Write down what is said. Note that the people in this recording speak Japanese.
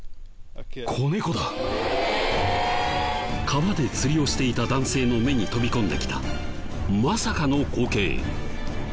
川で釣りをしていた男性の目に飛び込んできたまさかの光景。